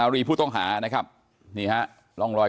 พันให้หมดตั้ง๓คนเลยพันให้หมดตั้ง๓คนเลย